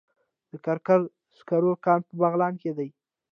د کرکر د سکرو کان په بغلان کې دی